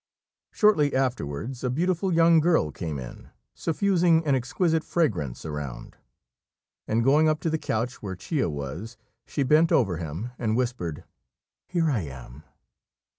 Shortly afterwards a beautiful young girl came in, suffusing an exquisite fragrance around; and going up to the couch where Chia was, she bent over him and whispered, "Here I am."